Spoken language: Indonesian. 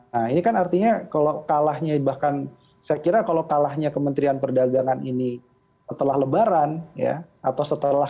nah ini kan artinya kalau kalahnya bahkan saya kira kalau kalahnya kementerian perdagangan ini setelah lebaran ya atau setelah kemudian harga cpo internasionalnya mulai terbatas